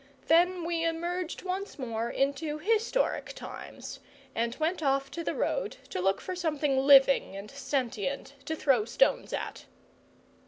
Then we emerged once more into historic times, and went off to the road to look for something living and sentient to throw stones at.